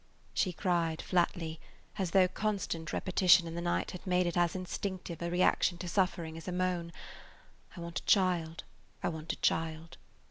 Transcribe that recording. She cried flatly, as though constant repetition in the night had made it as instinctive a reaction to suffering as a moan, "I want a child! I want a child!"